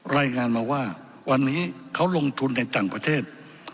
รายงานมาว่าวันนี้เขาลงทุนในต่างประเทศ